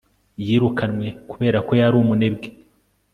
Yirukanwe kubera ko yari umunebwe